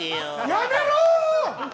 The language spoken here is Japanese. やめろー！